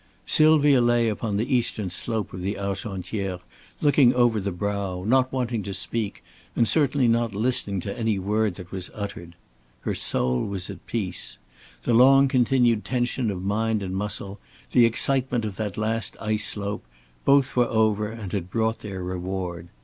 Sylvia lay upon the eastern slope of the Argentière looking over the brow, not wanting to speak, and certainly not listening to any word that was uttered. Her soul was at peace. The long continued tension of mind and muscle, the excitement of that last ice slope, both were over and had brought their reward.